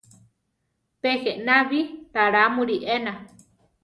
Pe jéna bi ralamuli ená.